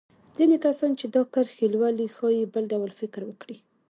ځينې کسان چې دا کرښې لولي ښايي بل ډول فکر وکړي.